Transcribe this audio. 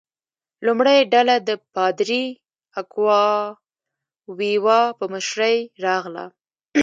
لومړۍ ډله د پادري اکواویوا په مشرۍ راغله.